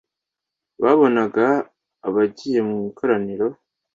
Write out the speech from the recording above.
babonaga abagiye mu ikoraniro